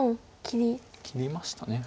切りました。